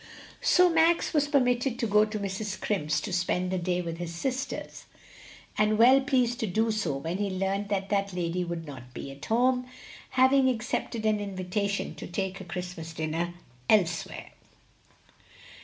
So Max was permitted to go to Mrs. Scrimp's to spend the day with his sisters, and was well pleased to do so when he learned that that lady would not be at home, having accepted an invitation to take her Christmas dinner elsewhere.